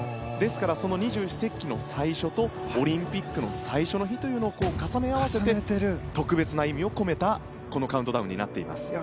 ですからその二十四節気の最初とオリンピックの最初の日を重ね合わせて特別な意味を込めたカウントダウンになっています。